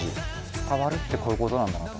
伝わるってこういう事なんだなと。